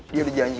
dia udah janji